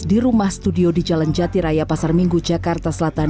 di rumah studio di jalan jati raya pasar minggu jakarta selatan